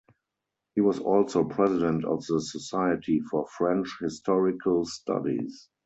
He was also president of the Society for French Historical Studies.